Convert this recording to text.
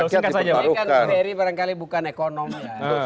ini kan neri barangkali bukan ekonomi ya